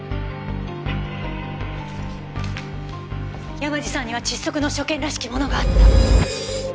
山路さんには窒息の所見らしきものがあった。